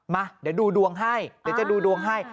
มาเดี๋ยวดูดวงให้